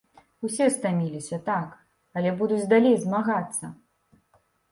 Усе стаміліся, так, але будуць далей змагацца.